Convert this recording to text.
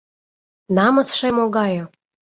Намысше могае!..